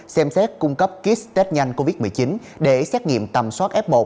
xem xét cung cấp kit test nhanh covid một mươi chín để xét nghiệm tầm soát f một